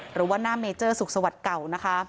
หรือว่าหน้าเมเจอร์ศุกรสวรรค์เก่า